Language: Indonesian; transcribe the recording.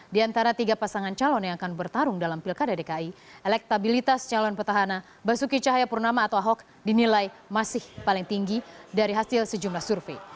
di antara tiga pasangan calon yang akan bertarung dalam pilkada dki elektabilitas calon petahana basuki cahayapurnama atau ahok dinilai masih paling tinggi dari hasil sejumlah survei